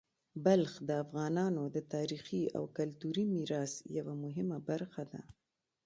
بلخ د افغانانو د تاریخي او کلتوري میراث یوه مهمه برخه ده.